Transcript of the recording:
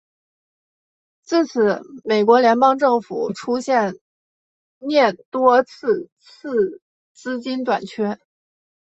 自此美国联邦政府出现廿多次次资金短缺。